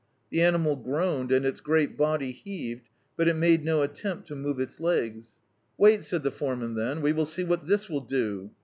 The animal groaned, and its great body heaved, but it made no attempt to move its legs. "Wait," said the foreman then, "we will see what this will do."